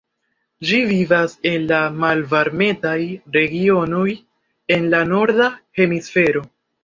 Ĝi vivas en la malvarmetaj regionoj en la norda hemisfero.